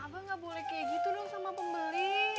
abang nggak boleh kayak gitu dong sama pembeli